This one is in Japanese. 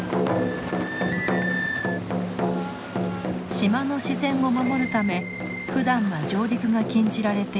島の自然を守るためふだんは上陸が禁じられている冠島。